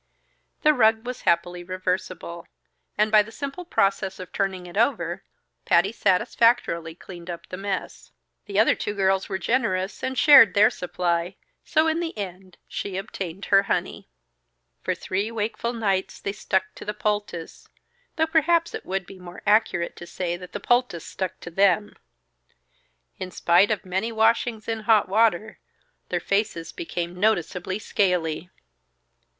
The rug was happily reversible, and by the simple process of turning it over, Patty satisfactorily cleaned up the mess. The other two girls were generous, and shared their supply: so in the end she obtained her honey. For three wakeful nights they stuck to the poultice though perhaps it would be more accurate to say that the poultice stuck to them. In spite of many washings in hot water, their faces became noticeably scaly.